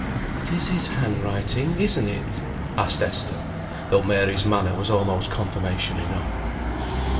"It is his hand writing isn't it?" asked Esther, though Mary's manner was almost confirmation enough.